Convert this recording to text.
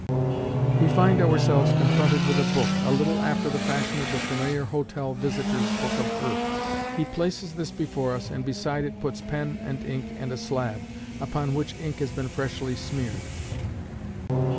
We find ourselves confronted with a book, a little after the fashion of the familiar hotel visitors' book of earth. He places this before us, and beside it puts pen and ink and a slab, upon which ink has been freshly smeared.